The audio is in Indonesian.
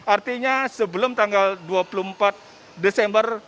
artinya sebelum tanggal dua puluh empat desember